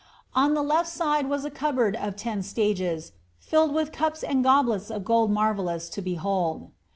On the left s was a cupboard of ten stages filled with cups and goblets of gold n vellous to behold."